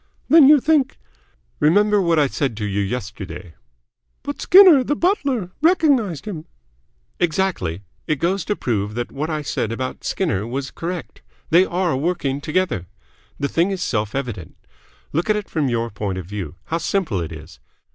"Then you think ?" "Remember what I said to you yesterday." "But Skinner the butler recognised him?" "Exactly. It goes to prove that what I said about Skinner was correct. They are working together. The thing is self evident. Look at it from your point of view. How simple it is.